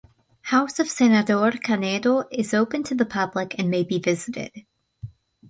House of Senador Canedo is open to the public and may be visited.